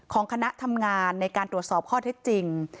คณะทำงานในการตรวจสอบข้อเท็จจริง